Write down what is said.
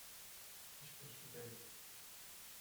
Ich bin Student.